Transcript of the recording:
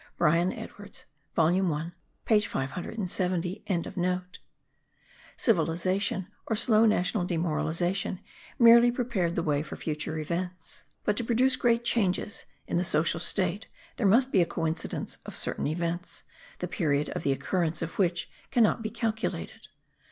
Bryan Edwards volume 1 page 570.) Civilization, or slow national demoralization, merely prepare the way for future events; but to produce great changes in the social state there must be a coincidence of certain events, the period of the occurrence of which cannot be calculated.